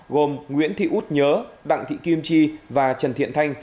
gồm nguyễn thị út nhớ đặng thị kim chi và trần thiện thanh